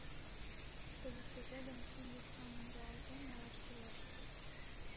— Кызыт кузе гын Кундыш аҥым руалтен налаш кӱлеш.